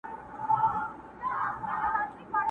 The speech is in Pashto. د لوړتیا د محبوب وصل را حاصل سي٫